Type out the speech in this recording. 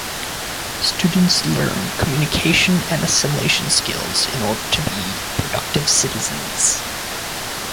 Students learn communication and assimilation skills in order to be productive citizens.